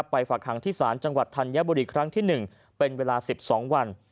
ฝากหางที่ศาลจังหวัดธัญบุรีครั้งที่๑เป็นเวลา๑๒วัน